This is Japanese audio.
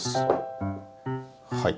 はい。